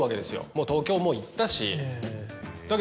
もう東京も行ったし。